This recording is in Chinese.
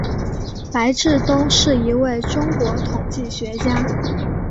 白志东是一位中国统计学家。